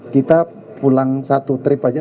kita pulang satu trip aja